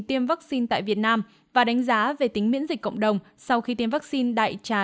tiêm vaccine tại việt nam và đánh giá về tính miễn dịch cộng đồng sau khi tiêm vaccine đại trà